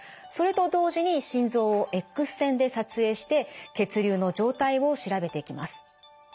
それと同時に心臓をＸ線で撮影して血流の状態を調べていきます。